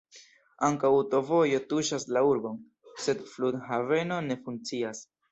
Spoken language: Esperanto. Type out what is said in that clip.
Ankaŭ aŭtovojo tuŝas la urbon, sed flughaveno ne funkcias.